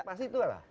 pasti itu lah